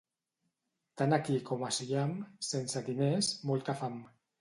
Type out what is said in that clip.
Tant aquí com a Siam, sense diners, molta fam.